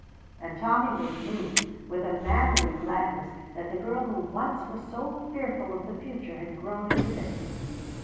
and Tommy was moved with a manly gladness that the girl who once was so fearful of the future had grown into this.